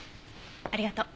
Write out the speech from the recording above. ありがとう。